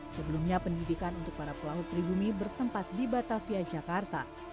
sebelumnya pendidikan untuk para pelaut pribumi bertempat di batavia jakarta